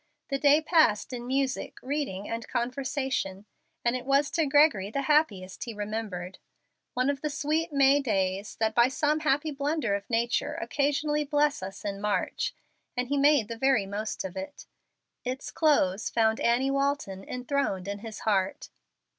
The day passed in music, reading, and conversation, and it was to Gregory the happiest he remembered one of the sweet May days that, by some happy blunder of nature, occasionally bless us in March and he made the very most of it. Its close found Annie Walton enthroned in his heart.